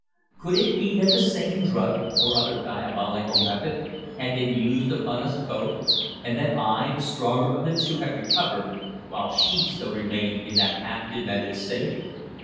Could it be that the same drug, or other diabolical method, had been used upon us both, and that I, the stronger of the two, had recovered, while she still remained in that half demented state?